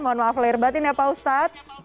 mohon maaf lahir batin ya pak ustadz